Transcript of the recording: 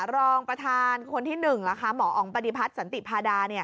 รองประธานคนที่๑หมออ๋องปฏิพัฒน์สันติพาดา